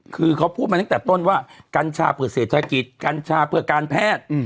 คือเขาพูดมาตั้งแต่ต้นว่ากัญชาเพื่อเศรษฐกิจกัญชาเพื่อการแพทย์